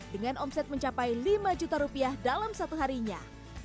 dengan omset mencapai lima juta rupiah dalam satu harinya